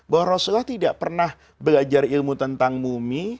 bahwa rasulullah tidak pernah belajar ilmu tentang mumi